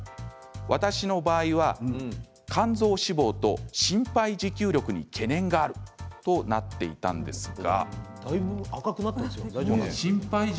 私の場合は、肝臓脂肪と心肺持久力に懸念があるとなっていたんですが。